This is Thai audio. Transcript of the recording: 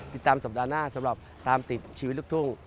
ติดตามสัปดาห์หน้าสำหรับตามติดชีวิตลูกทุ่ง